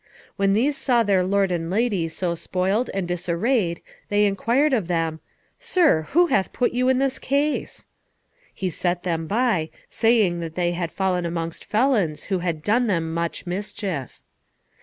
When these saw their lord and lady so spoiled and disarrayed they inquired of them, "Sir, who hath put you in this case?" He set them by, saying that they had fallen amongst felons who had done them much mischief.